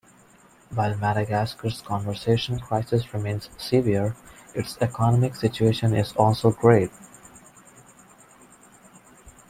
While Madagascar's conservation crisis remains severe, its economic situation is also grave.